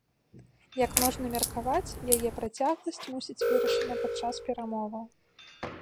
Як можна меркаваць, яе працягласць мусіць вырашана падчас перамоваў.